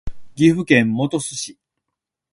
岐阜県本巣市